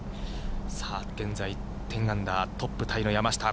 さあ、現在、１０アンダー、トップタイの山下。